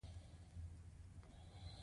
ټول په خیالونو کې ډوب وو.